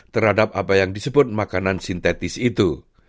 terhadap apa yang disebut makanan sintetis itu